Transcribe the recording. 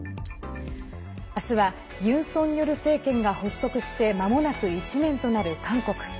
明日はユン・ソンニョル政権が誕生してまもなく１年となる韓国。